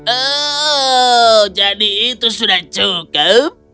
oh jadi itu sudah cukup